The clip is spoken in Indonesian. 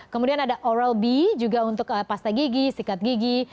kemudian ada oralb juga untuk pasta gigi sikat gigi